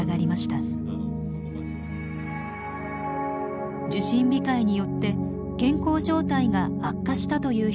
受診控えによって健康状態が悪化したという人もいたのです。